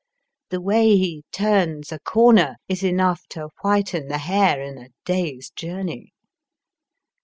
The way he turns a comer is enough to whiten the hair in a day's journey.